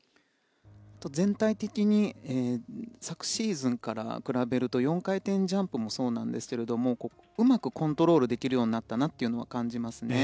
全体的に昨シーズンから比べると４回転ジャンプもそうなんですがうまくコントロールできるようになったと感じますね。